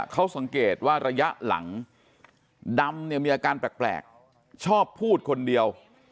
เขาสังเกตว่าระยะหลังดำเนี่ยมีอาการแปลกชอบพูดคนเดียว